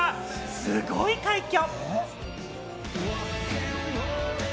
すごい快挙。